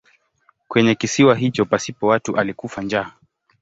Kwenye kisiwa hicho pasipo watu alikufa njaa.